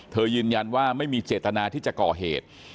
ยืนยันว่าไม่มีเจตนาที่จะก่อเหตุ